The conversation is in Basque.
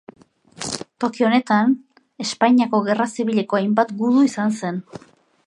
Toki honetan Espainiako Gerra Zibileko hainbat gudu izan zen.